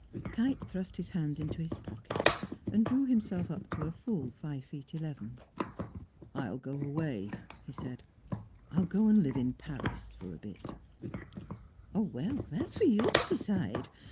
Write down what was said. Kite thrust his hands into his pockets, and drew himself up to a full five feet eleven. "I'll go away," he said. "I'll go and live in Paris for a bit." "That's for you to decide.